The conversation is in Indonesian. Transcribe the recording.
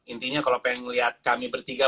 intinya kalo pengen ngeliat kami bertiga